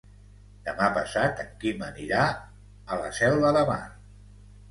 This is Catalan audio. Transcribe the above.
Demà passat en Quim anirà a la Selva de Mar.